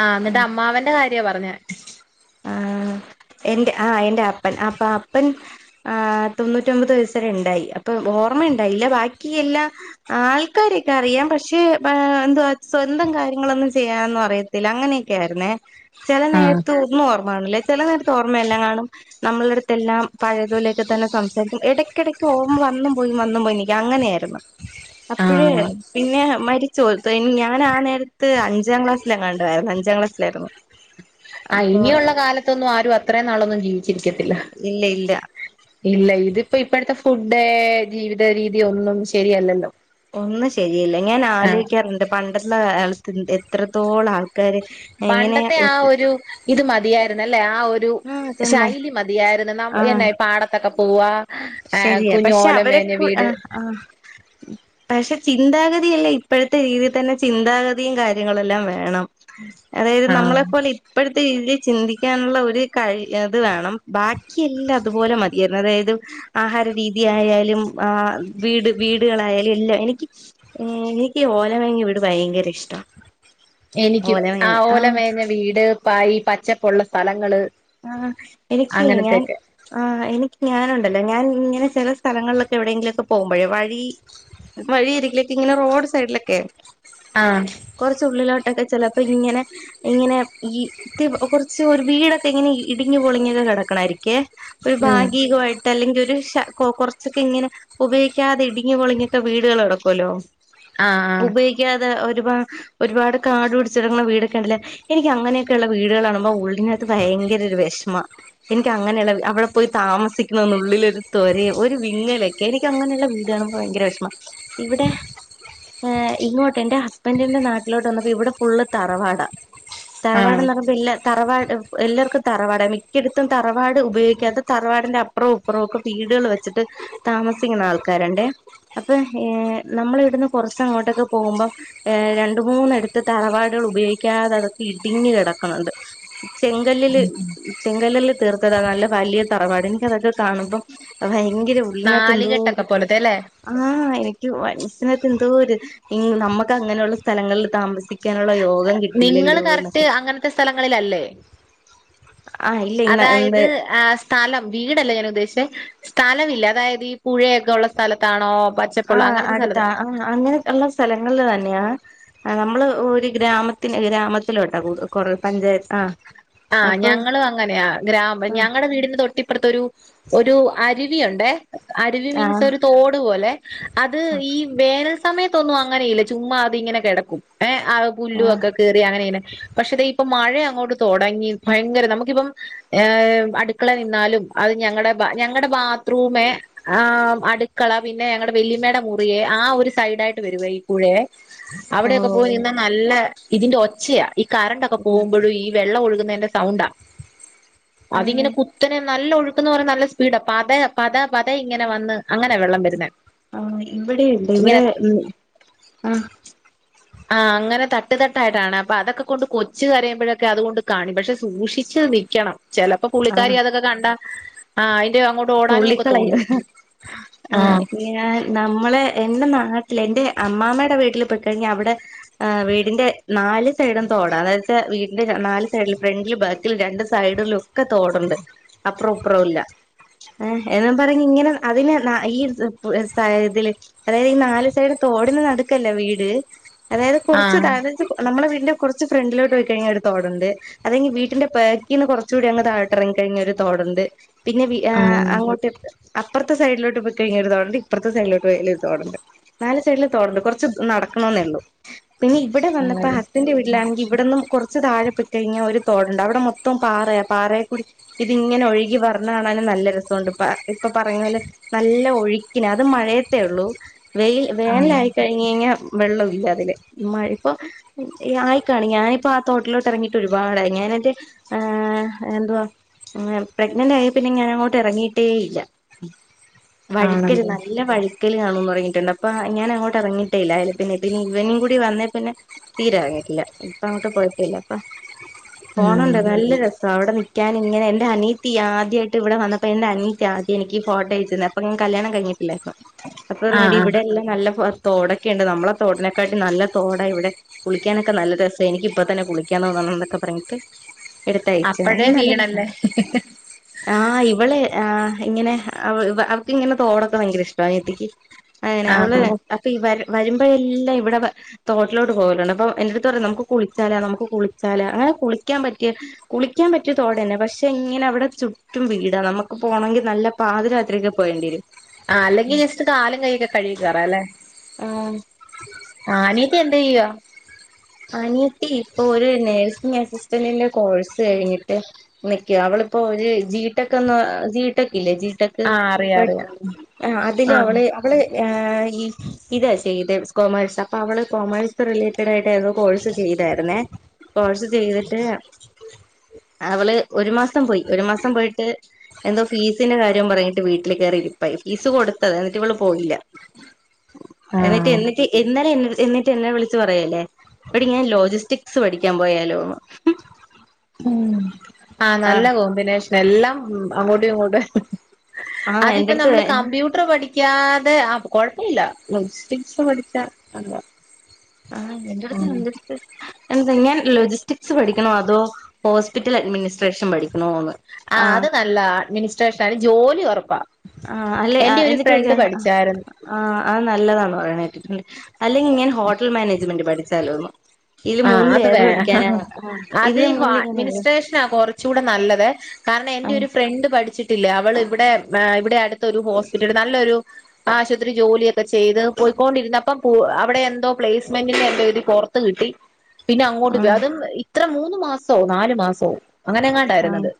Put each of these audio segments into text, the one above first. ആ എന്നിട്ട് അമ്മാവന്റെ കാര്യാ പറഞ്ഞ ആ എൻ്റെ ആ് എൻ്റെ അപ്പൻ അപ്പ അപ്പൻ ആർ തൊണ്ണൂറ്റിൊമ്പത് വയസ്സരെ ഉണ്ടായി അപ്പൊ ഓർമ്മ ഉണ്ടായില്ല ബാക്കി എല്ലാ ആൾക്കാരൊക്കെ അറിയാം പക്ഷെ എന്താ സ്വന്തം കാര്യങ്ങളൊന്നും ചെയ്യാന്ന് അറിയത്തില്ല അങ്ങനെയൊക്കെ ആയിരുന്നേ ചെല ആഹ് നേരത്ത് ഓർണല്ലേ ചില നേരത്തെ ഓർമ്മയെല്ലാം കാണും നമ്മളുടെ അടുത്തെ എല്ലാം പഴയതോലേക്കെ തന്നെ സംസാരിക്കും ഇടയ്ക്കിടയ്ക്ക് ഓർമ്മ വന്നും പോയി വന്നും പോയി നിൽക്കും അങ്ങനെയായിരുന്നു അപ്പഴേ ആഹ് പിന്നെ മരി ഞാൻ ആ നേരത്ത് അഞ്ചാം ക്ലാസ്സിലെങ്ങാണ്ടായിരുന്നു അഞ്ചാം ക്ലാസ്സിലായിരുന്നു ആയി അപ്പൊ ഇനിയുള്ള കാലത്തൊന്നും ആരും അത്രേ നാളൊന്നും ജീവിച്ചിരിക്കത്തില്ല ഇല്ല ഇല്ല ഇല്ല ഇതിപ്പോ ഇപ്പോഴത്തെ ഫുഡ് ജീവിത രീതി ഒന്നും ശരിയല്ലല്ലോ ഒന്ന് ശരി അല്ല ഞാൻ ആഹ് ആലോചിക്കാറുണ്ട് പണ്ട എ എ എത്രത്തോളം ആൾ പണ്ടത്തെ ആ ഒരു ഇത് മതിയായിരുന്നു അല്ലെ ആ ഒരു ആ അതന്നെ ശൈലി മതിയായിരുന്നു എന്നെ പാടത്തൊക്കെ പോകുവാ ശരിയ പക്ഷെ അവരെ ആ ആ പക്ഷെ ചിന്താഗതിയല്ല ഇപ്പോഴത്തെ രീതിൽ തന്നെ ചിന്താഗതിയും കാര്യങ്ങളെല്ലാം വേണം അതായത് ആഹ് നമ്മളെ പോലെ ഇപ്പോഴത്തെ രീതിൽ ചിന്തിക്കാനുള്ള ഒരു കഴി അത് വേണം ബാക്കി എല്ലാം അതുപോലെ മതിയാരുന്നു അതായത് ആഹാര രീതി ആയാലും ആ വീട് വീടുകളായാലും എല്ലാം എനിക്ക് എനിക്ക് ഓലമേഞ വീട് ഭയങ്കര ഇഷ്ട എനിക്കും ഓലമേഞ്ഞ ആ ഓല ആഹ് മേഞ്ഞ വീട് പായി പച്ചപ്പുള്ള സ്ഥലങ്ങള് ആ എനിക്ക് ഞാൻ അങ്ങനത്തെയൊക്കെ ആ എനിക്ക് ഞാനുണ്ടല്ലോ ഞാൻ ഇങ്ങനെ ചില സ്ഥലങ്ങളിലൊക്കെ എവിടെയെങ്കിലൊക്കെ പോകുമ്പോഴേ വഴി വഴിയരികിലൊക്കെ ഇങ്ങനെ റോഡ് സൈഡിലൊക്കെ ആഹ് കുറച്ചുള്ളിലോട്ടൊക്കെ ചിലപ്പോ ഇങ്ങനെ ഇങ്ങനെ ഈ കുറച്ച് ഒരു വീട ഇങ്ങെനെ ഇടിഞ്ഞു പൊളിഞ്ഞൊക്കെ കിടക്കണായിരിക്കേ ഒരു ഉം ഭാഗികമായിട്ട് അല്ലെങ്കി ഒ ഒരു കൊറച്ചൊക്കെ ഇങ്ങനെ ഉപയോഗിക്കാതെ ഇടിഞ്ഞ് പൊളിഞ്ഞൊക്കെ വീടുകൾ കെടക്കുമല്ലോ ആഹ് ആഹ് ഉപയോഗിക്കാതെ ഒ ഒരു ഒരുപാട് കാടു പിടിച്ചിടക്കണ വീടൊക്കെ ഉണ്ടല്ലോ എനിക്ക് അങ്ങനെയൊക്കെയുള്ള വീടുകള് കാണുമ്പോ ഓൾഡി അത് ഭയങ്കര ഒരു വിഷമ എനിക്ക് അങ്ങനെയുള്ള അവിടെ പോയി താമസിക്കുന്ന ഉുള്ളിലൊരു തൊര ഒരു വിങ്ങലൊക്കെ എനിക്ക് അങ്ങനെയുള്ള വീട് കാണുമ്പോ ഭയങ്കര വിഷമ ഇവിടെ ഏ ഇങ്ങോട്ട് എൻറെ ഹസ്ബൻഡിന്റെ നാട്ടിലോട്ട് വന്നപ്പോ ഇവിടെ ഫുള്ള് തറവാടാ ആഹ് തറവാട്ന്ന് [unintelligible] തറവാട് എല്ലാവർക്കും തറവാടാ മിക്കിടത്തും തറവാട് ഉപയോഗിക്കാതെ തറവാടിന്റെ അപ്പുറവും അപ്പുറവും ഒക്കെ വീടുകൾ വെച്ചിട്ട് താമസിക്കുന്ന ആൾക്കാരിണ്ടേ അപ്പൊ ഏ നമ്മൾ ഇവിടുന്ന് കുറച്ച് അങ്ങോട്ടൊക്കെ പോകുമ്പം രണ്ട മൂന്നെടുത്ത് തറവാടുകൾ ഉപയോഗിക്കാതെ അതൊക്കെ ഇടിഞ്ഞു കിടക്കണുണ്ട് ചെങ്കല്ലില് ചെങ്കല്ലില് തീർത്തതാ നല്ല വലിയ തറവാട് എനിക്കതൊക്കെ കാണുമ്പം ഭയ ഭയങ്കര ഉള്ളിനകത്ത് എന്തോര് നാലുകെട്ടൊക്കെ പോലത്തെ അല്ലേ ആഹ് എ എനിക്ക് മനസിനത്ത് എന്തോരു നമുക്ക് അങ്ങനെയുള്ള സ്ഥലങ്ങളിൽ താമസിക്കാനുള്ള യോഗ നിങ്ങൾ കറക്റ്റ് അങ്ങനത്തെ സ്ഥലങ്ങളില ആഹ് ഇല്ല ഇന്ന് എന്ത് അതായത് ആ സ്ഥലം വീടല്ലേ ഞാൻ ഉദ്ദേശിച്ചെ സ്ഥലമില്ല അതായത് ഈ പുഴയൊക്കെ ഉള്ള സ്ഥലത്താണോ ആ പച്ചപ്പുള്ള അങ്ങനത്തെ അടുത്ത സ്ഥലത്ത് ആ അങ്ങനെ ഉള്ള സ്ഥലങ്ങളിൽ തന്നെ ഞാ നമ്മള് ഒരു ഗ്രാമത്തിന് ഗ്രാമത്തിലോട്ടാ കുറെ പഞ്ചായത്ത് ആ ആ ഞങ്ങളും അങ്ങനെയ ഗ്രാമ ആഹ് ഞങ്ങളടെ വീടിന്ന് തൊട്ട് ഇപ്പറത്തൊരു ഒരു അരുവിയുണ്ടെ അരുവി മീൻസ് ആഹ് ഒരു തോട് പോലെ അത് ഈ വേറെ സമയത്തൊന്നും അങ്ങനെയില്ല ചുമ്മാ അത് ഇങ്ങനെ കിടക്കും ഏ ആ പുല്ലും ആഹ് ഒക്കെ കേറി അങ്ങനെനെ പക്ഷെ ഇപ്പൊ മഴയങ്ങോട്ട് തുടങ്ങി ഭയങ്കര നമുക്കിപ്പം അടുക്കള നിന്നാലും അത് ഞങ്ങളുടെ ഞങ്ങളുടെ ബാത്റൂമെ അടുക്കള പിന്നെ ഞങ്ങളുടെ വല്യമ്മയുടെ മുറിയെ ആ ഒരു സൈഡായിട്ട് വരുവെ ഈ പുഴയെ അവിടെയൊക്കെ പോയി ഓഹ് നിന്നാ നല്ല ഇതിന്റെ ഒച്ചയ ഈ കറണ്ടൊക്കെ പോകുമ്പോഴും ഈ വെള്ളം ഒഴുകുന്നതിന്റെ സൗണ്ടാ ആഹ് അതിങ്ങനെ കുത്തനെ നല്ല ഒഴുക്കന്ന് പറ നല്ല സ്പീഡാ പത പത പതേ ഇങ്ങനെ വന്ന് അങ്ങനെ വെള്ളം വരുന്നേ ആഹ് ഇവിടെുണ്ട് ഇങ്ങനെ ഇവിടെ ഉ ആഹ ആ അങ്ങനെ തട്ട് തട്ടായിട്ടാണ് അപ്പൊ അതൊക്കെ കൊണ്ട് കൊച്ചു കരയുമ്പോഴൊക്കെ അതുകൊണ്ട് കാണി പക്ഷെ സൂക്ഷിച്ചച്ച് നിൽക്കണം ചിലപ്പോ പുുള്ളിക്കാരി അതൊക്കെ കണ്ടാ ആ ആയി തുള്ളിക്കളായി ആ നമ്മളെ എന്തെന്നാ നാട്ടില് എൻന്റെ അമ്മാമ്മയുടെ വീട്ടിൽ പോയി കഴിഞ്ഞ അവിടെ വീടിന്റെ നാല് സൈഡും തോടാ അതായ വ വീടിന്റെ നാല് സൈഡില് ഫ്രണ്ടില് ബാക്കിൽ രണ്ട് സൈഡിലും ഒക്കെ തോടുണ്ട് അപ്പറം അപ്പുറം ഇല്ല ഏ എന്നും പറഞ് ഇങ്ങനെ അതിനെ ന ഈ ഇതില് അതായത് ഈ നാല് സൈഡ തോടിന്ന് നടടുക്കല്ല വീട് അതായത് ആ കുറച്ച് അതായത് നമ്മുടെ വീടിന്റെ കുറച്ച് ഫ്രണ്ടിലോട്ട് പോയി കഴിഞ്ഞ ഒരു തോടുണ്ട് അല്ലെങ്കിൽ വീട്ടന്റെ പേക്കിൽന്ന് കുറച്ച് കൂടി അങ് താഴോട്ട് ഇറങ്ങി കഴിഞ്ഞ ഒരു തോടുണ്ട് പിന്നെ ആ അങ്ങോട്ട് അപ്പറത്തെ സൈഡിലോട്ട് പോയി കഴിഞ്ഞൊ ഒരു തോടണ്ട് ഇപ്പുറത്തെ സൈഡിലോട്ട് വലരു തോടണ്ട് നാല് സൈഡില തോടണ്ട് കുറച്ച് നടക്കണെന്നെ ഉള്ളു പിന്നെ ഇവിടെ വന്നപ്പോ ആണല്ലേ ഹസ്ബൻഡന്റെ വീട്ടിലാെങ്കിൽ ഇവിടെന്നും കുറച്ച് താഴെ പി കഴിഞ്ഞ ഒരു തോടണ്ട് അവിടെ മൊത്തം പാറയ പാറയെ കൂടി ഇതി ഇങ്ങനെ ഒഴുകി വര്ണ നല്ല രസമുണ്ട് ഇപ്പൊ പറഞ്ഞ പോലെ നല്ല ഒഴുക്കി അത് മഴയത്തേ ഉള്ളൂ വെയിൽ ആ വേനല ആയി കഴിഞ്ഞ് കഴിഞ്ഞാ വെള്ളം ഇല്ല അതില് മഴ ഇപ്പോ ആയിക്കാണ് ഞാനിപ്പോ ആ തോട്ടിലോട്ട് ഇറങ്ങിയിട്ട് ഒരുപാടായി ഞാന എന്റെ ് എന്തുവ പ്രഗ്നന്റ് ആയി പിന്നെ ഞാൻ അങ്ങോട്ട് ഇറങ്ങിട്ടേ ഇല്ല വഴുക്കല് ആണല്ലേ നല്ല വഴക്കല് കാണുന്നു ഇറങ്ങിട്ടുണ്ട് അപ്പ ഞാൻ അങ്ങോട്ട ഇറങ്ങിട്ടല്ല അ പിന്നെ പിന്ന ഇവനും കൂടി വന്നേ പിന്നെ തീരാറങ്ങിട്ടില്ല ഇപ്പ അങ്ങോട്ട് പോയിട്ടേല്ല അപ്പ ഉം പോണണ്ട നല്ല രസ സ അവിടെ നിക്കക്കാനിങ്ങനെ എന്റെ അനിയത്തി ആദ്യയായി റ്റ് ഇവിടെ വന്നപ്പോ എന്റെ അനിയത്തി ആദി എനിക്ക് ഈ ഫോട്ടോ അയച്ചന്ന അപ്പ ഞൻ കല്യാണം കഴിഞ്ഞിട് അപ്പ ആ ഇറങ്ങടി ആ ഇവിടെയല്ലാം നല്ല ഫ തോടൊക്കെണ്ട് നമ്മള തോടനെക്കാട്ടി നല്ല തോടാ ഇവിടെ കുളിക്കാനൊക്കെ നല്ല രസാ, എനിക്ക് ഇപ്പ തന്നെ കുളിക്കാന്ന് തോന്നണം എന്നൊക്കെ പറഞ്ഞിട്ട് എടുത്തയച്ച് അപ്പഴേ വീണല്ലേ. ആ ഇവളെ ആ ഇങ്ങനെ അവ ഇവ അവക്ക് ഇങ്ങനെ തോടൊക്കെ ഭയങ്കര ഇഷ്ട അനിത്തിക്ക്. അങ്ങനെ ആ അവള് ആ അപ്പ ഇവ വരുമ്പോ എല്ലാം ഇവിടെ വ തോട്ടിലോട്ട് പോവലുണ്ട്, അപ്പം എന്റടുത്ത് പറയാ നമുക്ക് കുളിച്ചാല നമുക്ക് കുളിച്ചാല അങ്ങനെ കുളിക്കാൻ പറ്റിയ കുളിക്കാൻ പറ്റിയ തോടെന്നെ പക്ഷേ ഇങ്ങനെ അവിടെ ചു റ്റും വീടാ നമുക്ക് പോകണങ്കിൽ നല്ല പാതി രാത്രിക്കെ പോകേണ്ടി വരും. ആ അല്ലെങ്കിൽ ജസ്റ്റ് കാലും കൈയൊക്കെ കഴുകി കേറാ അല്ലെ. ആ ആ അനി എന്ത ചെയ്യുവാ അനിയത്തി ഇപ്പൊ ഒരു നേഴ്സിംഗ് അസിസ്റ്റന്റിന്റെ കോഴ്സ് കഴിഞ്ഞിട്ട് നിക്കാ അവളിപ്പോ ഒരു ജി ടെക് ജി ടെക് ട്ടിലേ ജി ടെക്ക് ആ അറിയാം പട അറിയാം അതില് അവള് ആ അവള് ആ ഇതാ ചെയ്തെ കോമേഴ്സ് അപ്പൊ അവള് കോമേഴ്സ് റിലേറ്റഡ് ആയിട്ട് ഏതോ കോഴ്സ് ചെയ്തായിരുന്നേ കോഴ്സ് ചെയ്തിട്ട് അവള് ഒരു മാസം പോയി ഒരു മാസം പോയിട്ട് എന്തോ ഫീസിന്റെ കാര്യം പറഞ്ഞിട്ട് വീട്ടിൽ കയറി ഇരിപ്പായി ഫീസ് കൊടുത്തതാ എന്നിട്ട് ഇവള് പോയില്ല ആ എന്നിട്ട് എന്നിട്ട് ഇന്നലെ എന്ന എന്നിട്ട് എന്നെ വിളിച്ചു പറയല്ലേ എടി ഞാൻ ലോജിസ്റ്റിക്സ് പഠിക്കാൻ പോയാലോ ഉം ആ നല്ല കോംമ്പിനേഷ് എല്ലം ഉം അങ്ങോട്ടും ഇങ്ങോട്ടേ ആഹ് അതിപ്പോ എന്റെടുത്ത് നമ്മള് കമ്പ്യൂട്ടർ പഠി ക്ക്യാതെ ആ കുഴപ്പ ഇല്ല [unintelligible] പഠിച്ച ആഹ് എന്റെ അടുത്ത് ഉം. എന്റെ അടുത്ത് എന്തങ്ങഞാൻ ലോജിസ്റ്റിക്സ് പഠിക്കണോ അതോ ഹോസ്പിറ്റൽ അഡ്മിനിസ്ട്രേഷൻ പഠിക്കണോ എന്ന് ആ അത് നല്ലതാ അഡ്മിനിസ്ട്രേഷൻ അയ്ല് ജോലി ഒറ ആഹ് അല്ലെ എന്നിട്ടേക്കാരം പഠിച്ചായിരുന്നു ആ അത് നല്ലതാണ് ന്ന് പറഞ്ഞ കേട്ടിട്ട്ണ്ട് അല്ലെങ്കിൽ ഇങ്ങനെ ഹോട്ടൽ മാനേജ്മെന്റ് പഠിച്ചാലോന്ന് ഇതില് ആ മൂന്നില് അത് ഏത് വേ പഠിക്കാനാ ആഹ് അത് ഇതില് മൂന്നില് ഞാൻ ഏതാ അഡ്മിനിസ്ട്രേഷനാ കൊറച്ചുകൂടെ നല്ലത് കാരണം എന്റെ ആഹ് ഒരു ഫ്രണ്ട് പഠിച്ചി ത്തില്ലേ അവൾ ഇവിടെ ഇവിടെ അടുത്ത ഒരു ഹോസ്പിറ്റൽ നല്ലൊരു ആശുപത്രി ജോലിയൊക്കെ ചെയ്ത് പോയിക്കൊണ്ടിരുന്നപ്പം അവിടെ എന്തോ പ്ലേസ്മെന്റിന്റെ എന്തോ ഇതി പുറത്ത് കിട്ടി പിന്നെ അങ്ങോട്ട് ആഹ് വ്യതും ഇത്ര മൂന്ന് മാസോ നാലു മാസോ അങ്ങനെങ്ങാണ്ടാ ആയിരുന്നത്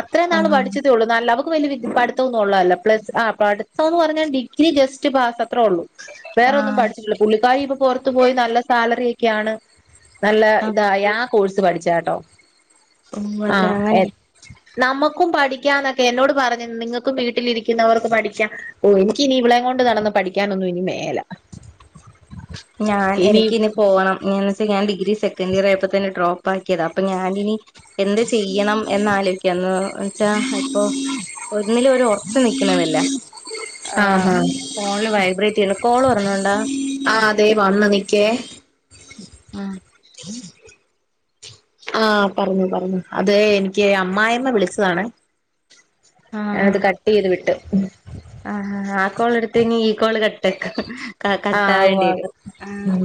അത്രേ ആഹ് നാള് ആഹ് പഠിച്ചതേ ഉള്ളൂ നല്ല ക്ക് വല്യ വിദ്യ പഠിത്തം ഒന്നും ഉള്ളതല്ല പ്ലസ് ആ പഠിത്തോന്ന് പറഞ്ഞാ ഡിഗ്രി ജസ്റ്റ് പാസ് അത്രേ ഉള്ളൂ വേറെന്നും ആഹ് പഠിച്ചിട്ടില്ല പുള്ളിക്കാരി ഇപ്പ പുറത്തു പോയി നല്ല സാലറി ക്കെയാണ് നല്ല ആഹ് ഇതായ ആ കോഴ്സ് ത് പഠിച്ചാട്ടോ ഓഹ് അതെ ആഹ് എ അങ്ങനെ നമു ക്കും പഠിക്കാന്നൊക്കെ എന്നോട് പറഞ്ഞ് നിങ്ങൾക്കും വീട്ടിലിരിക്കുന്നവർക്ക് പഠിക്കാം ഓ എനിക്കിന ഇവളം കൊണ്ട് നടന്ന പഠിക്കാനൊന്നും ഇനി മേല ഞാൻ ഇനി എനിക്കിനി പോണം ഇഞ്ഞെന്ന് വെച്ചാ ഞാൻ ഡി ഇനി സെക്കൻഡ് ഇയർ ആയപ്പോ തന്നെ ഡ്രോപ്പ് ആക്കിയതാ അപ്പൊ ഞാനിനി എന്ത് ചെയ്യണം എന്ന് ആലോയിക്യാന്ന് വച്ചാ ഇപ്പോ ഒന്നിലും ഒര് ഒർച്ച് നീക്കണന്നില്ല, ഏഹ് ആഹാ ഫോണില് വൈബ്രേറ്റ് ചെയ്യുന്ന കോൾ വരണണ്ടാ? ആ അതെ വന്നു നിക്കേ. ആ ആഹ് പറഞ്ഞോ പറഞ്ഞോ അത് എനിക്ക് അമ്മായമ്മ വിളിച്ചതാണേ. ആഹ് ഞാനത് കട്ട് ചെയ്ത് വിട്ടു. ഉം ആഹ് ഹ് ആ കോൾ എടുത്ത് എനി ഈ കോള് കട്ടാക്ക്. ക ആ ആകും കട്ടാവേണ്ടിവരും ആകും ആഹ് ഉം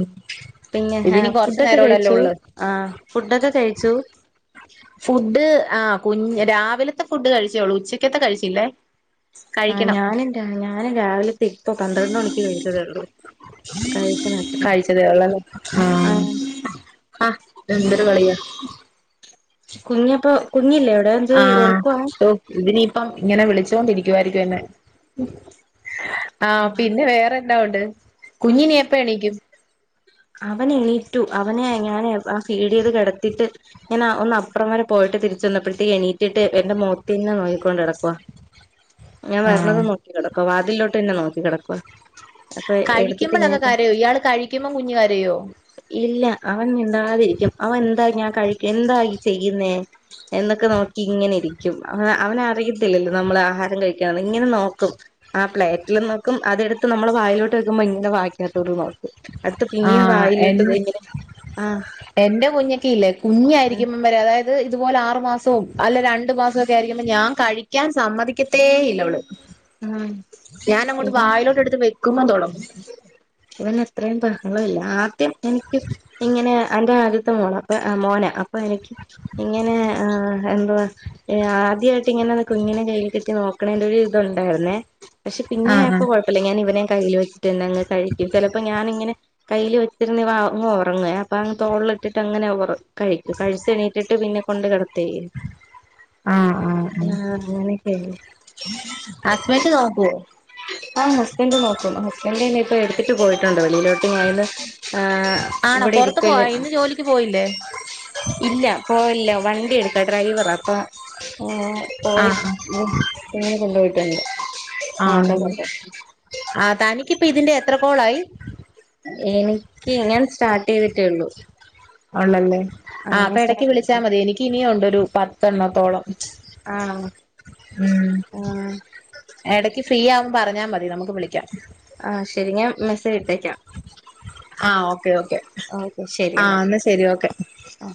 പിന്നെ ഹേ ഇതിനി കൊറച്ചു ഫുഡൊക്കെ നേരോടല്ലേ കഴിച്ചു ഉള്ളു ആഹ് ഫുഡൊക്കെ കഴിച്ചു. ഫുഡ് ആ കുഞ്ഞ് രാവിലത്തെ ഫുഡ് കഴിച്ചേ ഒള്ളൂ, ഉച്ചക്കത്തെ കഴിച്ചില്ലേ. ആ കഴിക്കണം ഞാനും രാ ഞാനും രാവില് ഇപ്പോ പന്ത്രണ്ട് മണിക്ക് കഴിച്ചതേള്ളൂ കഴിക്കുന്നത്രേ കഴിച്ചതേ ഉള്ളല്ലേ ആ ആഹ് ആഹ് എന്തൊരു കളിയാ കുഞ്ഞപ്പോ ങ്ങില്ലേ അവിടെ [unintelligible] ഒറക്കുവാ. അപ്പം ഇങ്ങനെ വിളിച്ചോണ്ടിരിക്കുവായിരിക്കും എന്നെ. ആ പിന്നെ വേറെ ണ്ട ഒണ്ട് കുഞ്ഞിനി എപ്പ എണീക്കും. അവനെണീറ്റു, അവനെ ഞാന് ആ ഫീഡ് ചെയ്ത് കെടത്തിട്ട് ഞാനാ ഒന്ന് അപ്പറം വരെ പോയിട്ട് തിരിച്ച് വന്നപ്പോഴത്തേ എണീറ്റിട്ട് എന്റെ മൊഖത്തെന്നെ നോക്കിക്കൊണ്ട് കെടക്കുവാ. ഞാൻ ആഹ് വരണതും നോക്കി കെട പ്പ വാതിലോട്ട് തന്നെ നോക്കി കെടക്കുവ. കഴിക്കുമ്പോളൊക്കെ കരയോ ഇയാള് കഴിക്കുമ്പോ കുഞ്ഞ് കര് രയോ? ഇല്ല അ അവൻ മിണ്ടാതിരിക്കും അവൻ എന്താ ഞാൻ കഴിക്കാ എന്താ ഈ ചെയ്യ്ന്നേ എന്നൊക്കെ നോക്കി ഇങ്ങനെ ഇരിക്കും അ അവനറിയത്തില്ലല്ലോ നമ്മള് ആഹാരം കഴികാണ് ഇങ്ങനെ നോക്കും ആ പ്ലേറ്റിൽ നോക്കും അതെടുത്ത് നമ്മൾ വായിലോട്ട് വെക്കുമ്പോ ഇങ്ങനെ വായക്കത്തേക്കും നോക്കും അടുത്ത് ആ പിന്നെയും എൻ വായിലോട്ട് ഇങ്ങനെ ആഹ് എന്റെ കുഞ്ഞൊക്കെ ഇല്ലേ കുഞ്ഞായിരിക്കുമ്പം വരെ അതായത് അത് ഇതുപോലെ ആറു മാസവും അല്ല രണ്ടു മാസവും ഒക്കെ ആയിരിക്കുമ്പോൾ ഞാൻ കഴിക്കാൻ സമ്മതിക്കത്തേ ഇല്ല ഒള് ആഹ് ഞാൻ അങ്ങോട്ട് ഇവൻ വായ്ലോട്ട് എടുത്ത് വെ കുമന്തോളം ങ്ങളല്ല ആദ്യം എനിക്ക് ഇങ്ങനെ എന്റെ ആദ്യത്തെ മോളാ അപ്പൊ മോനാ അപ്പൊ എനിക്ക് ഇങ്ങനെ ഏഹ് എന്തുവാ ആദ്യായിട്ട് ഇങ്ങനൊന്ന് കുഞ്ഞിനെ കയ്യിൽ കിട്ടി നോക്കണേന്റെ ഒരു ഇതുണ്ടായിരുന്നേ പക്ഷെ പിന്നെ ആഹ് ആഴപ്പോ കൊഴപ്പില്ല ഞാന് ഇവനെ കൈയിൽ വെ ചെന്നങ്ങു കഴിക്കും ചിലപ്പോ ഞാനിങ്ങനെ കയ്യിൽ വെച്ചിരുന്ന് അങ്ങ് ഉറങ്ങ് അപ്പൊ അങ്ങ് തോളിൽ ഇട്ടിട്ട് അങ്ങനെ ഒറ കഴിക്കും കഴിച്ച എണീറ്റിട്ട് പിന്നെ കൊണ്ട് കിട ആ ആ ആഹ് അങ്ങനെയൊക്കെ ഹസ്ബന്റ് നോക്കോ ആ ഹസ് ഹസ്ബന്റ് നോക്കും ഹസ്ബന്റ് പിന്നെ ഇപ്പം എടുത്തിട്ട് പോയിട്ടുണ്ട് വെളിയിലോട്ട് പോയത് ആ ആണോ ഇവിടെ പൊറത്ത് ഇരിക്കല് പോയോ ഇന്ന് ജോലിക്ക് പോയില്ലേ ഇല്ല പോവല്ല വ എന്ത ഡ്രൈവറാപ്പ [unintelligible] പോയി ആഹ് [unintelligible] കൊണ്ട്പോയി [unintelligible] ആണോ ആ തനിക്കിപ്പ ഇതിനെ എത്ര കോളായി എനിക്ക് ഞാൻ സ്റ്റാർട്ട് ചെയ്തിട്ടേയുള്ളു ആണല്ലേ ആ അപ്പൊ ഇടക്ക് വിളിച്ചാ ചെയ്തിട്ടേള്ളൂ മതി എനിക്ക് ഇനിയുമുണ്ട് ഒരു പത്തെണ്ണത്തോളം ആ ഉം ആ ഇടക്ക് ഫ്രീ ആവുമ്പോ പറഞ്ഞാൽ മതി നമുക്ക് വിളിക്കാം ആ. ശരി ഞാൻ മെസ്സേജ് ഇട്ടേക്കാം ആ ഓക്കെ ഓക്കേ ഓക്കെ ശരി ആ എന്നാ ശരി ഓക്കെ ആ